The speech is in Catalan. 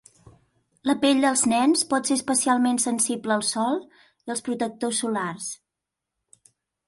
La pell dels nens pot ser especialment sensible al sol i als protectors solars.